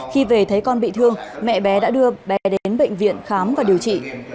khi về thấy con bị thương mẹ bé đã đưa bé đến bệnh viện khám và điều trị